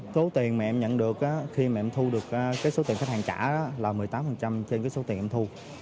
số tiền mà em nhận được khi mà em thu được cái số tiền khách hàng trả là một mươi tám trên cái số tiền em thu